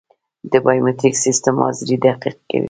د بایومتریک سیستم حاضري دقیق کوي